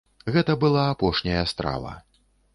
Гэта была апошняя страва.